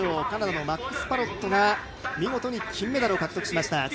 カナダのマックス・パロットが見事に金メダルを獲得しました。